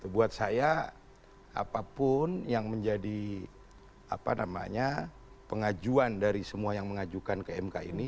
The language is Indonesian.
buat saya apapun yang menjadi pengajuan dari semua yang mengajukan ke mk ini